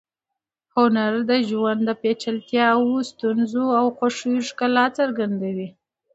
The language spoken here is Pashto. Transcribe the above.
هنر د ژوند د پیچلتیاوو، ستونزو او خوښیو ښکلا څرګندوي.